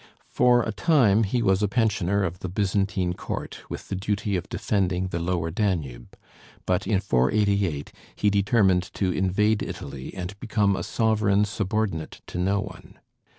For a time he was a pensioner of the Byzantine court, with the duty of defending the lower Danube; but in 488 he determined to invade Italy and become a sovereign subordinate to no one.